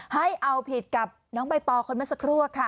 ให้เอาผิดกับน้องใบปอคนเมื่อสักครู่ค่ะ